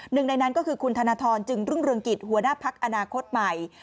หนึ่งในนั้นก็คือคุณธนทรจึงรุ่งเรืองกิจหัวหน้าพักอนาคตใหม่